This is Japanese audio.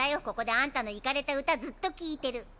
ここであんたのイカれた歌ずっと聴いてる。